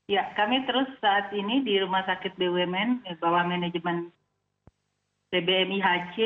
ya kami terus saat ini di rumah sakit bumn bawah manajemen bumi hc